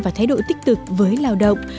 và thái độ tích tực với lao động